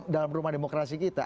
dalam rumah demokrasi kita